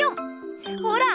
ほら！